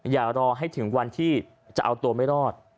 อย่ารอให้ถึงวันที่จะเอาตัวไม่รอด